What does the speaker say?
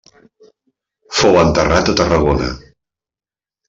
Fou enterrat a Tarragona.